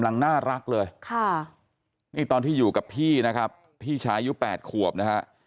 นี่ตอนที่อยู่กับพี่นะครับพี่ชายื้อ๘ขวบนะฮะ